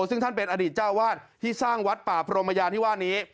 ซึ่งท่านเป็นอดีตเจ้าวาดที่สร้างวัดป่าพรมยานที่ว่านี้